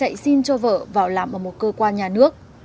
hà đã xin cho vợ vào làm ở một cơ quan nhà nước